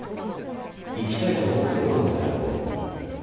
行きたいと思っておるのであろう？